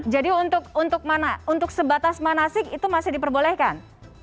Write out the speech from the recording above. jadi untuk sebatas mana sik itu masih diperbolehkan